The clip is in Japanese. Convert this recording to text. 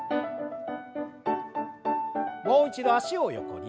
もう一度脚を横に。